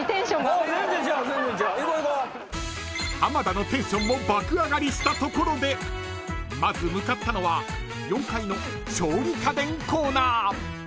［浜田のテンションも爆上がりしたところでまず向かったのは４階の調理家電コーナー］